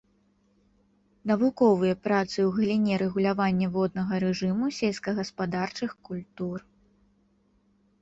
Навуковыя працы ў галіне рэгулявання воднага рэжыму сельскагаспадарчых культур.